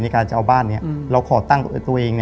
การจะเอาบ้านนี้เราขอตั้งตัวเอง